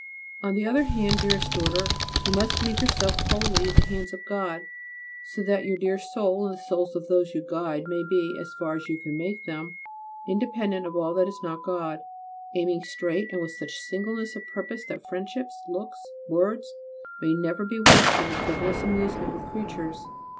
On the other hand, dearest daughter, you must leave yourself wholly in the hands of God, so that your dear soul and the souls of those you guide, may be, as far as you can make them, independent of all that is not God; aiming straight and with such singleness of purpose that friendships, looks, words may never be wasted in frivolous amusement with creatures.